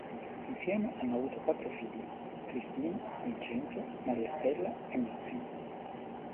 Insieme hanno avuto quattro figli: Cristina, Vincenzo, Maria Stella e Massimo.